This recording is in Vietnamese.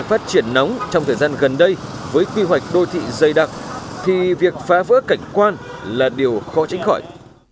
để phát triển nóng trong thời gian gần đây với quy hoạch đôi thị dây đặc thì việc phá vỡ cảnh quan là điều khó tránh khỏi